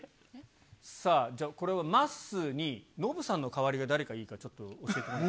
さあ、じゃあ、これはまっすーに、ノブさんの代わりは誰がいいか、ちょっと教えていただいて。